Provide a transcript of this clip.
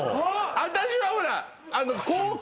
私はほらっ